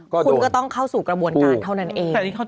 คุณก็ต้องเข้าสู่กระบวนการเท่านั้นเอง